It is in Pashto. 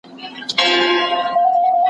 سياسي کړني بايد پر درواغو ونه څرخي.